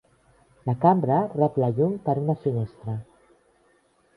La cambra rep la llum per una finestra.